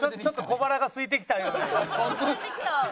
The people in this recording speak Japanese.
ちょっと小腹がすいてきたような。